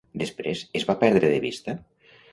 Després es va perdre de vista?